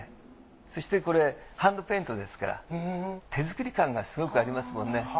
そしてこれハンドペイントですから手作り感がすごくありますもんね。